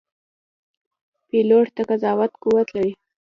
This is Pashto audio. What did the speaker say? پیلوټ د قضاوت قوت لري.